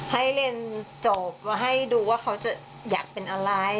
ให้เรียนจบมาให้ดูว่าเขาจะอยากเป็นอะไร